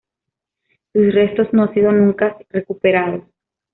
Sus restos no han sido nunca recuperados.